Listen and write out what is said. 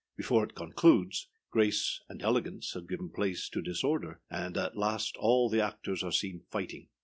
Before it concludes, grace and elegance have given place to disorder, and at last all the actors are seen fighting.